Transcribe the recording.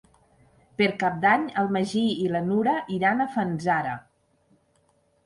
Per Cap d'Any en Magí i na Nura iran a Fanzara.